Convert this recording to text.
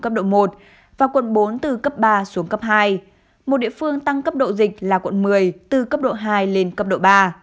cấp độ một và quận bốn từ cấp ba xuống cấp hai một địa phương tăng cấp độ dịch là quận một mươi từ cấp độ hai lên cấp độ ba